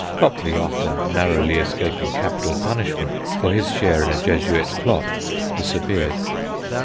Copley, after narrowly escaping capital punishment for his share in a Jesuit plot, disappeared.